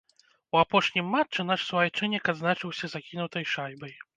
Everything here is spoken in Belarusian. У апошнім матчы наш суайчыннік адзначыўся закінутай шайбай.